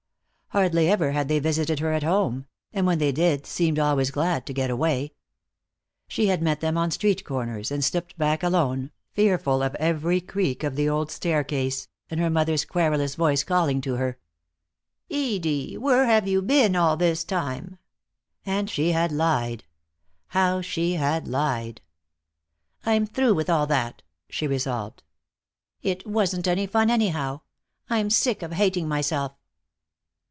Hardly ever had they visited her at home, and when they did they seemed always glad to get away. She had met them on street corners, and slipped back alone, fearful of every creak of the old staircase, and her mother's querulous voice calling to her: "Edie, where've you been all this time?" And she had lied. How she had lied! "I'm through with all that," she resolved. "It wasn't any fun anyhow. I'm sick of hating myself."